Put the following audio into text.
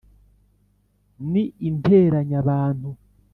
n i interanya bantu